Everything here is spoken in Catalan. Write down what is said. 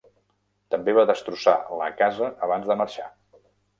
També va destrossar la casa abans de marxar.